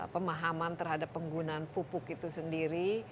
pemahaman terhadap penggunaan pupuk itu sendiri